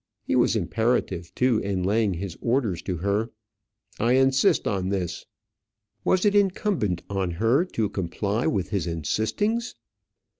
He was imperative, too, in laying his orders to her. "I insist on this!" Was it incumbent on her to comply with his insistings?